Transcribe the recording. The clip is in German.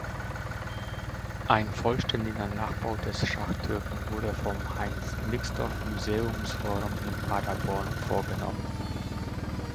Ein vollständiger Nachbau des Schachtürken wurde vom Heinz-Nixdorf-Museumsforum in Paderborn vorgenommen.